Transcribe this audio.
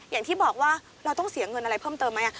อย่างที่บอกว่าเราต้องเสียเงินอะไรเพิ่มเติมไหม